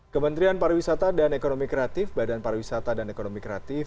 kementerian pariwisata dan ekonomi kreatif badan pariwisata dan ekonomi kreatif